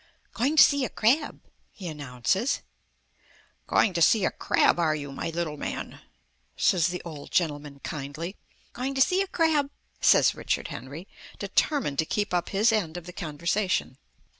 "Going to see a crab," he announces. "Going to see a crab, are you, my little man?" says the old gentleman kindly. "Going to see a crab," says Richard Henry, determined to keep up his end of the conversation.